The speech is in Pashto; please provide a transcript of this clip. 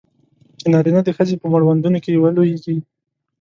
چې نارینه د ښځې په مړوندونو کې ولویږي.